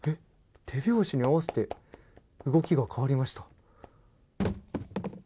手拍子に合わせて動きが変わりました。